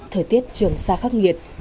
thời tiết trường sa khắc nghiệt